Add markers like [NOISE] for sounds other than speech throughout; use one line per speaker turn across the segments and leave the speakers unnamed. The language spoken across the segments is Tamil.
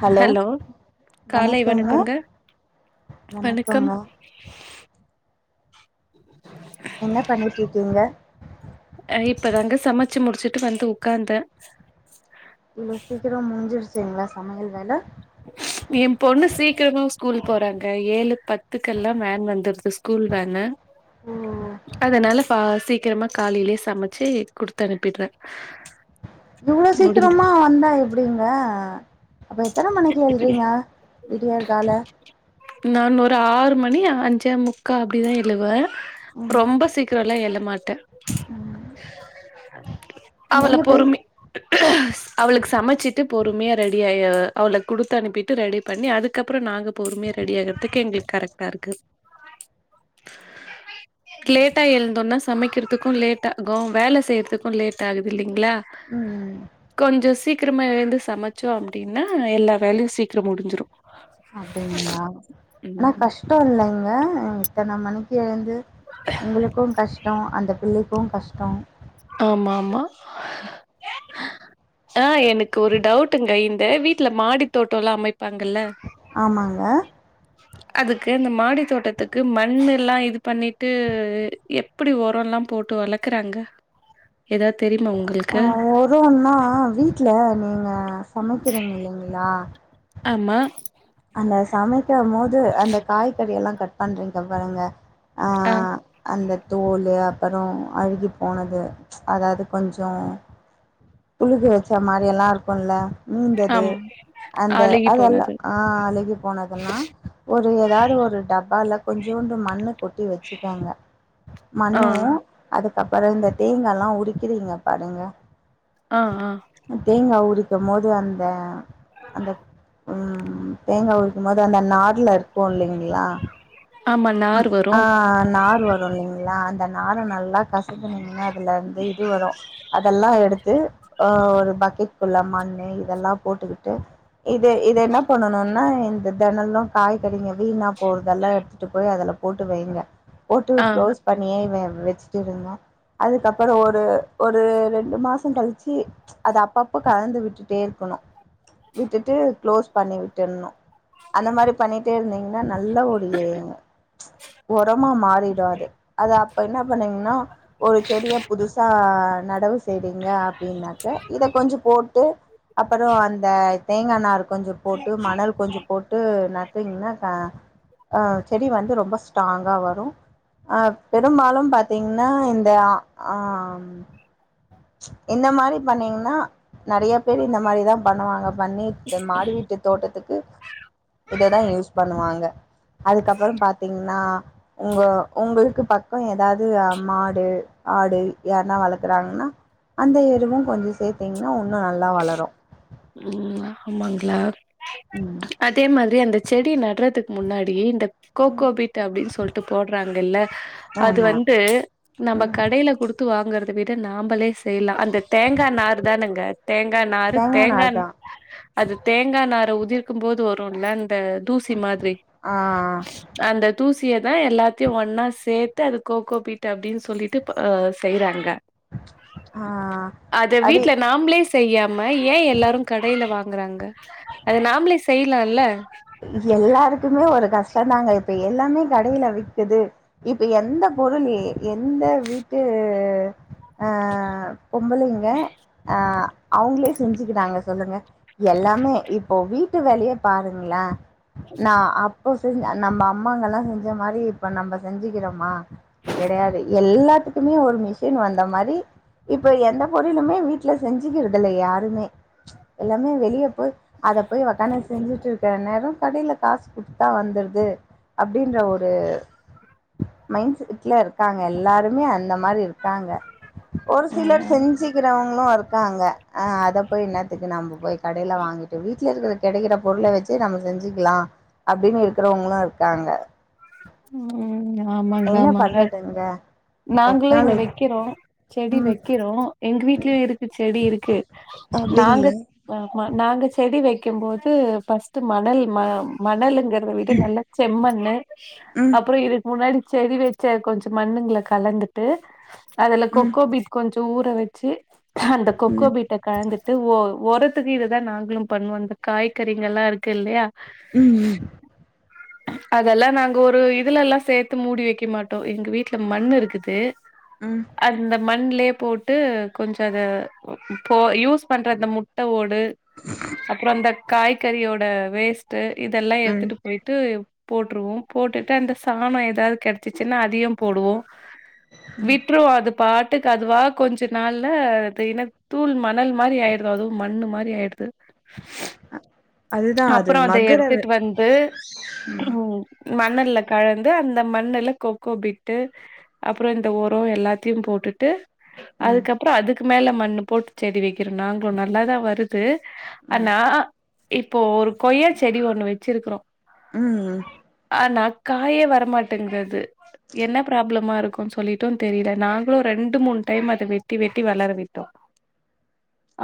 ஹலோ
ஹெலோ காலை வணக்கங்க வணக்கம்
வணக்கங்க என்ன பண்ணிட்ருக்கீங்க
அ இப்பதாங்க சமச்சு முடிச்சுட்டு வந்து உக்காந்த
இவ்ளோ சீக்கிரம் முடிஞ்சிருச்சுங்ளா சமையல் வேல
எம் பொண்ணு சீக்கிரமா ஸ்கூல் போறாங்க ஏழு பத்துக்கெல்லாம் வேன் வந்துருது ஸ்கூல் வேனு
ம்
அதனால பா சீக்கிரமா காலைலியே சமச்சி குடுத்தனுப்பிட்ற
இவ்ளோ சீக்கிரமா வந்தா எப்டிங்க அப்ப எத்தன மணிக்கு எழ்றீங்க விடியற்கால
நான் ஒரு ஆறு மணி அஞ்சே முக்கா அப்டிதா எழுவே
ம்
ரொம்ப சீக்ரலா எழமாட்ட
ம் நீங்க
அவளப்
பேச
பொறுமி அவுளுக் சமச்சிட்டு பொறும்மியா ரெடியாயி அவள குடுத்தனுப்பிட்டு ரெடி பண்ணி அதுக்கப்புற நாங்க பொறும்மியர் ரெடி ஆகுறதுக்கு எங்களுக்கு கரெக்டா இருக்கு லேட்டா எழுந்தோனா சமைக்கிறதுக்கு லேட் ஆகு வேலை செய்யறதுக்கு லேட் ஆகுது இல்லிங்ளா
உம் உம்
கொஞ்சோ சீக்கிரமா எழுந்து சமைச்சோ அப்டின்னா எல்லா வேலையு சீக்கிரோ முடிஞ்சிரும்
அப்டிங்ளா ஆனா
ம்
கஷ்டோ இல்லிங்க இத்தனை மணிக்கு எழுந் உங்களுக்கு கஷ்டோ அந்த பிள்ளைக்கு கஷ்டோ
ஆமா ஆமா
[INAUDIBLE]
ஆஹ் எனக்கு ஒரு டவுட்டுங்க இந்த வீட்டுல மாடி தோட்டல்லா அமைப்பாங்கல்ல
ஆமாங்க
அதுக்கு அந்த மாடி தோட்டத்துக்கு மண் எல்லா இது பண்ணிட்டு எப் டி உரல்லா போட்டு வளக்குறாங்க ஏதாது தெரிமா உங்களுக்கு
வொரோன்னா வீட்ல நீங்க சமைக்கிறீங்க இல்லிங்களா
ஆமா
அந்த சமைக்கு போது அந்த காய்கறி எல்லா கட் பண்றீங்க பாருங்க அ
ஆ
அந்த தோலு அப்றோ அழுகி போனது அதாவது கொஞ்சோ புழுகு வெச்சா மாரி எல்லா இருக்குல்ல மீந்தது
ஆம்
அந்த
அழுகி
அதெல்லா
போனது
அழுகி போனதுன்னா ஒரு ஏதாவது ஒரு டப்பால கொஞ்சோண்டு மண்ணு கொட்டி வெச்சு க்கோங்க
ஆ
மண்ணு அதுக்கப்பறோ இந்த தேங்கால்லா உரிக்கிறீங்க பாருங்க
ஆஹ் ஆஹ்
தேங்கா உரிக்கு போது அந்த அந்த உம் தேங்கா உரிக்கு போது அந்த நார்ல இருக்கு இல்லிங்ளா
ஆமா நார் வரு
ஆ நார் வரும் இல்லிங்களா அந்த நாரை நல்லா கசக்குனீங்கன்னா அதுலருந்து இது வரு அதெல்லா எடுத்து அஹ் ஒரு பக்கெட்க்குள்ள மண்ணு இதெல்லா போட்டுக்கிட்டு இது இத என்ன பண்ணணுனா இந்த தெனலும் காய்கறிங்க வீணா போறதெல்லாம் எட் துட்டு போய் அதுல போட்டு வைங்க போட்டு
ஆ
க்ளோஸ் பண்ணியே வச்சிட்டுங்க அதுக்கப்பறோ ஒரு ஒரு ரெண்டு மாசோ கழிச்சி அத அப்பப்ப கலந்து விட்டுட்டே இருக்கணு விட்டுட்டு க்ளோஸ் பண்ணி விட்டுர்ணோ அந்த மாரி பண்ணிட்டே இருந்தீங் கன்னா நல்ல ஒரு வொரமா மாறிடு அது அப்ப என்ன பண்ணுவீங்கன்னா ஒரு செடிய புதுசா நடவு செஞ்சீங்க அப்டின்னாக்க இத கொஞ்சம் போட்டு அப்பறோ அந்த தேங்கா நார் கொஞ்சம் போட்டு மணல் கொஞ்சம் போட்டு நட்டீங்கன்னாகா ஆஹ் செடி வந்து ரொம்ப ஸ்ட்ராங்கா வரும் பெரும்பாலு பாத் தீங்னா இந்த ஆஹ்ம் இந்த மாரி பண்ணீங்ன்னா நெறைய பேர் இந்த மாரிதா பண்ணுவாங்க பண்ணி இந்த மாடி வீட்டு தோட்டத்துக் கு இததா யூஸ் பண்ணுவாங்க அதுக்கப்பறோ பாத்தீங்ன்னா உங்க உங்களுக்கு பக்கம் ஏதாது மாடு ஆடு யார்னா வளக்றாங்ன்னா அந்த எருவும் கொஞ்சம் சேத்திங்ன்னா வுன்னு நல்லா வளரும்
உம் ஆமாங்ளா
ம்
அதே மாதி ரி அந்த செடி நட்றதுக்கு முன்னாடி இந்த
ம்
கோகோபீட் அப்டின் சொல்ட்டு போட்றாங்ல்ல அது
ஆமாம்
வந்து நம்ம
ம்
கடையில குடுத்து வாங்கறத விட நாம்பளே செய்லா அந்த தேங்கா நார் தானுங்க தேங்கா நார்
தேங்காய் நார்
தேங்கான்
தான்
அது தேங்கா நாரை உதிர்க்கும் போது வரும்ல அந்த தூசி மாதிரி
ஆ
அந்த தூசியதா எல்லாத்தையு ஒன்னா சேத் து அது கோகோபீட்டு அப்டின்னு சொல்லிட்டு இப்ப செய்றாங்க
ஆ
அத
அது
வீட்ல நாம்ளே செய்யாம ஏ எல்லாரு கடையில வாங்குறாங்க அத நாம்ளே செய்லால
எல்லாருக்குமே ஒரு கஷ்ட தாங்க இப்ப எல்லாமே கடயில விக்குது இப்ப எந்த பொருள் எந்த வீட்டு பொம்பளைங்க அவுங்களே செஞ்சுக்கிட்டாங்க சொல்லுங்க எல்லாமே இப்போ வீட்டு வேலயே பாருங்ளே நா அப்போ செஞ் நம்ம அம்மாங்களா செஞ்ச மாரி இப்ப நம்ம செஞ்சுக்கிறோமா கெடயாது எல்லாத்துக்குமே ஒரு மிஷின் வந்த மாரி இப்ப எந்த பொருளுமே வீட்ல செஞ்சுக்கறதுல்ல யாருமே எல்லாமே வெளியே போய் அத போய் ஒக்காந்து செஞ்சுட்டு நேர கடயில காசு குடுத்தா வந்துர்து அப்டின்ற ஒரு மைண்செட்ல இருக்காங்க எல்லாருமே அந்த மாரி இருக்காங்க ஒரு சிலர் செஞ்சி இருக்கிறவங்களும் இருக்காங்க அ அத போய் என்னத்துக்கு நம்ப போய் கடயில வாங்கிட்டு வீட்ல இருக்கிற கெடைக்கிற பொருள வச்சு நம்ம செஞ்சுக்கலா அப்டின்னு இருக்கிறவங்களு இருக்காங்க
ம் ஆமான்டா
என்ன
மழ
பண்ணுறதுங்க
நாங்களு இங்க
டெக்னாலஜி
வைக்கிறோ செடி
ம்
வக்கிறோ எங்க வீட்லயு இருக்கு செடி இருக்கு நாங்க
அப்டிங்ளா
ஆமா நாங்க செடி வைக்கு போது பர்ஸ்ட் மணல் மணலுங்கறத விட நல்ல செம்மண்ணு
ம்
அப்றொ இதுக்கு முன்னாடி செடி வச்ச கொஞ்ச மண்ணுங்ள கலந்துட்டு அதுல
ம்
கொக்கோபீட் கொஞ்ச ஊற வச்சு அந்த
ம்
கொக்கோபீட்ட கலந்துட்டு ஒ ஒரத்துக்கு இதுதா நாங்ளு பண்ணுவோ இந்த காய்கறிகள்லா இருக்கு இல்லயா
ம்
அதெல்லா நாங்க ஒரு இதுலல்லா சேத்து மூடி வைக்க மாட்டோ எங்க வீட்ல மண்ணு இருக்குது
ம்
அந்த மண்லயே போட்டு கொஞ்ச அத போ யூஸ் பண்ற அந்த மு ட்ட ஓடு அப்புறோ அந்த காய்கறியோட வேஸ்ட் இதெல்லா
ம்
எடுத்துட்டு போயி ட்டு போட்டுருவோம் போட்டுட்டு அந்த சாணோ ஏதாவது கெடைச்சிச்சுன்னா அதயு போடுவோ விட்ருவோ அது பாட்டுக்கு அதுவா கொஞ்ச நாள்ல அது இன தூள் மணல் மாரி ஆயிருது அதுவு மண்ணு மாரி ஆயிடுது
அதுதான் அது
அப்புற அத
மக்குற
எடுத்துட்டு
வே-
வந்து ம் மண்ணல்ல கலந்து அந்த மண்ல்ல கொக்கோ பீட்டு அப்புறோ இந்த ஒரோ எல்லாத்தையு போட்டுட்டு
ம்
அதுக்கப்புறோ அதுக்கு மேல மண்ணு போட்டு செடி வெக்கிறோ நாங்களு நல்லாதா வரு து
ம்
ஆனா இப்போ ஒரு கொய்யா செடி ஒண்ணு வெச்சிருக்கிறோ
ம்
ஆனா காயே வரமாட்டேங்குது அது என்ன ப்ராப்ளமா இருக்குனு சொல்லிட்டு தெரியல நாங்களு ரெண்டு மூணு டைம் அத வெட்டி வெட்டி வளர விட்டோ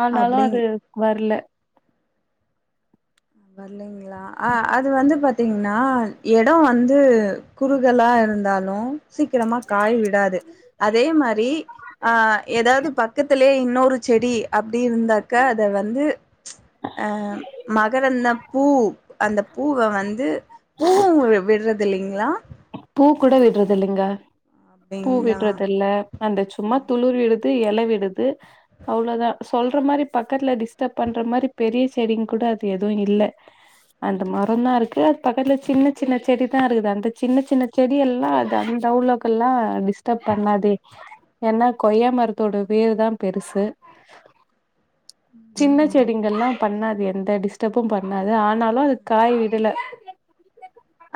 ஆனாலு
அப்படிங்க
அது வர்ல
வர்லீங்களா அ அது வந்து பாத்தீங்கன்னா எடோ வந்து குறுகலா இருந்தாலு சீக்கிரமா காய் விடாது அதே மாரி ஆ ஏதாவது பக்கத்திலயே இன்னொரு செடி அப்டி இருந்தாக்க அத வந்து அ மகரந் அந்த பூ அந்த பூவ வந்து பூவு விடறது இல்லீங்களா
பூ கூட விடறதில்லீங்க பூ
அப்டிங்களா
விடறதில்ல அந்த சும்மா துளுர் விடுது எல விடுது அவ்ளோதா சொல்ற மாரி பக்கத்துல டிஸ்டப் பண்ற மாரி பெரிய செடிங் கூட அது எதுவு இல்ல அந்த மரம் தா இருக்கு அது பக்கத்துல சின்ன சின்ன செடி தா இருக்குது அந்த சின்ன சின்ன செடியெல்லா அது அந்த அவ்லொக்கல்லா டிஸ்டப் பண்ணாதே என்னா கொய்ய மரத்தோட வேர் தா பெருசு
உ
சின்ன செடிங்கங்ல்லா பண்ணாது எந்த டிஸ்டபும் பண்ணாது ஆனாலு அது காய் விடல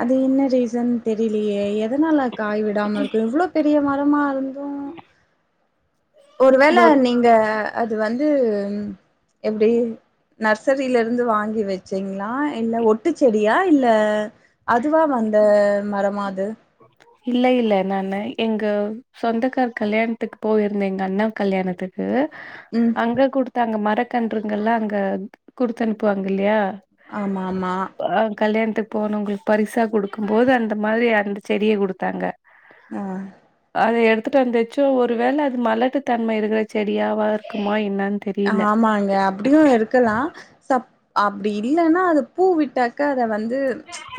அது என்ன ரீசன் தெரிலயே எதனால காய் விடாம இருக்கு இவ்ள பெரிய மரமா இருந்து ஒருவேள
ஒரு
நீங்க அது வந்து ம் எப்டி நர்சரில இருந்து வாங்கி வச்சீங்களா இல்ல ஒட்டு செடியா இல்ல அதுவா வந்த மரமா அது
இல்ல இல்ல நானு எங்க சொந்தக்கார் கல்யாண்த்துக்கு போயிருந்தே எங்க அண்ணா கல்யாணத்துக்கு
உம்
அங்க குடுத்தாங்க மரக்கன்றுங்கல்லாம் அங்க கொடுத்து அனுப்புவாங்க இல்யா
ஆமா ஆமா
ஆ கல்யாண்த்துக்கு போனவங்களுக்கு பரிசா குடுக்கும்போது அந்த மாரி அந்த செடிய குடுத்தாங்க
ஆ
அத எடுத்துகட்டு வந்துச்சும் ஒரு வேள அது மலட்டு தன்ம இருக்கற செடியாவா இருக்குமா என்னனு
ஆமாங்க அப்டியும் இருக் கலாம் சப் அப்டி இல்லன்னா அது பூவிட்டாக்க அத வந் து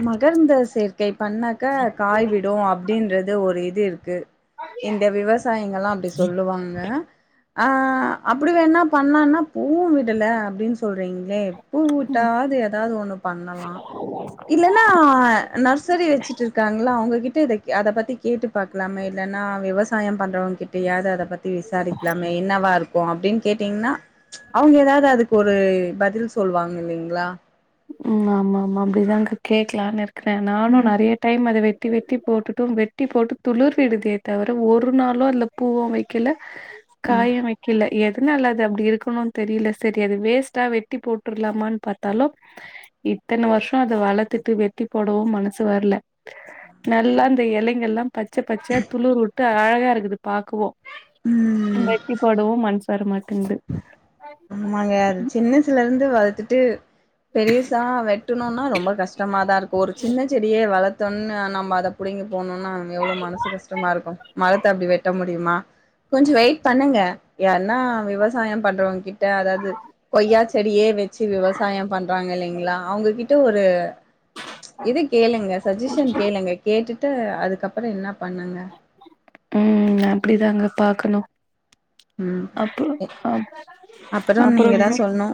மகரந்த சேர் க்கை பண்ணாக்க காய் விடும் அப்டின்றது ஒரு இது இருக்கு இந்த விவசாயிங்கல்லாம் அப்டி சொல்லுவாங்க ஆ அப்டி வேணா பண்ணனா பூ விடல அப்டின்னு சொல்றீங்ளே பூவிட்டா
ம்
அது ஏதாது ஒண்ணு பண்ணலா இல்லன்னா நர்சரி வச்சுட்டு இருக்காங்கல்ல அவங்ககிட்ட இத அத பத்தி கேட்டு பாக்கலாமே இல்லன்னா விவசாயம் பண்றவங்க கிட்டயாது அத பத்தி விசாரிக்கலாமே என்னவா இருக்கு அப்டின் கேட்டீங்க்னா அவங்க ஏதாது அதுக் ஒரு பதில் சொல்வாங்க இல்லிங்களா
உம் ஆமா ஆமா அப்டிதாங்க கேக்கலான்னு இருக்கறேன் நானு நறைய டைம் அத வெட்டி வெட்டி போட்டுட்டும் வெட்டி போட்டு துளுர் விடுதே தவிர ஒரு நாளு அதுல பூவு வெக்கெல காயு வக் கல எதுனால அது அப்டி இருக்கணும் தெரில சரி அது வேஸ்ட்டா வெட்டி போட்டுரலாமான் பாத்தாலு இத்தன வருஷம் அத வளத்துட்டு வெட்டி போடவு மனசு வரல நல்லா அந்த எலைகள்லாம் பச்ச பச்சையா துளுர் வுட்டு அழகா இருக்குது பாக்கவு
உம்
வெட்டி போடவு மன்சு வரமாட்டேந்து
ஆமாங்க அது சின்னசல இருந்து வளத்துட்டு பெரிசா வெட்டணுனா ரொம்ப கஷ்டமாதா இருக்கு ஒரு சின்ன செடிய வளத் தோணா நம்ம அத புடுங்கி போணுனா நம்ம எவ்ளோ மனசு கஷ்டமா இருக்கு மரத்த அப்டி வெட்ட முடிமா கொஞ்சு வெயிட் பண்ணுங்க யார்னா விவ சாயம் பண்றவங்கிட்ட அதாது கொய்யா செடியே வச்சு விவசாயம் பண்றாங்க இல்லிங்களா அவங்ககிட் ட ஒரு இது கேளுங்க சஜஷன் கேளுங்க கேட்டுட் டு அதுக்கப்பற என்னா பண்ணுங்க
உம் அப்டிதாங்க பாக்கணு
ம்
அப்றோ அப்
அப்புறோ நீங்க தா
அப்பறங்க
சொல்ணு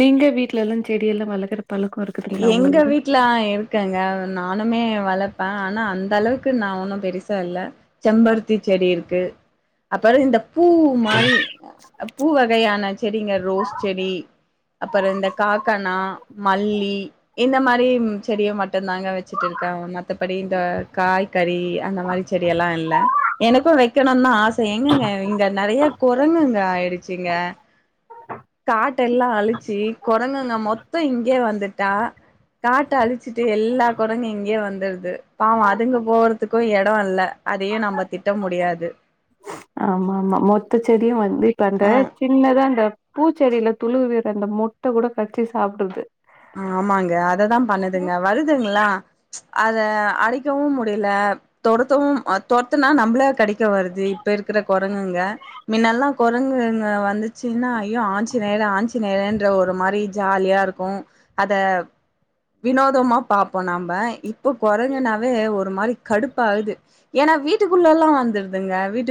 நீங்க வீட்ல எல்லா செடியல்லா வளக்கற பழக்கம் இருக்
எங்க வீட் லா இருக்கங்க நானுமே வளப்பே ஆனா அந்த அளவுக்கு நா ஒண்ணு பெருசா இல்ல செம்பருத்தி செடி இருக்கு அப்பறோ இந்த பூ மாரி பூ வகையான செடிங்க ரோஸ் செடி அப்பறோ இந்த காக்கனா மல்லி இ இந்த மாரி ம் செடிய மட்டுந்தாங்க வச்சுட்டு இருக்காங்க மத்தப்படி இந்த காய் கறி அந்த மாரி செடியெல்லா இல்ல எனக்கு வெக்கணுன்னு ஆச எங்கங்க இங்க நெறைய கொரங்குங்க ஆயிருச்சுங்க காட்டெல்லா அழிச்சு கொரங்குங்க மொத்த இங்கே வந்துட் டா காட்ட அழிச்சிட்டு எல்லா கொரங்கு இங்க்யே வந்துடுது பாவோ அதுங்க போறதுக்கு எடோ இல்ல அதையு நம்ம திட்ட முடியாது
ஆமா ஆமா மொத்த செடியு வந்து இப்ப அந்த
ஆ
சின்னதா அந்த பூச்செடில துளுவிற அந்த மொட்ட கூட கச்சி சாப்டுது
ஆமாங்க அததா பண்ணுதுங்க வருதுங்களா அத அடிக்கவு முடியல தொரத்தவும் ஆ தொர்த்னா நம்மள கடிக்க வருது இப்ப இருக்குற கொரங்குங்க மின்னெல்லா கொரங்குங்க வந்து சின்னா ஐயோ ஆஞ்சிநேயர் ஆஞ்சிநேயருன்ற ஒரு மாரி ஜாலியா இருக்கு அத வினோதமா பாப்போ நாம இப்போ கொரங்குனாவே ஒரு மாரி கடுப்பாகுது ஏன்னா வீட்டுக்குள்ள எல்லா வந்துருதுங்க வீட்டு